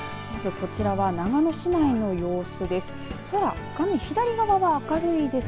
こちらは長野市内の様子です。